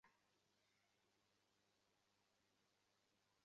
তিনি নিজে কোনদিন এই নাম ব্যবহার করেননি।